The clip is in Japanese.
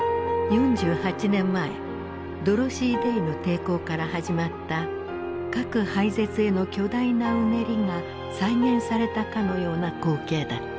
４８年前ドロシー・デイの抵抗から始まった核廃絶への巨大なうねりが再現されたかのような光景だった。